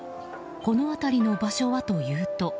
この辺りの場所はというと。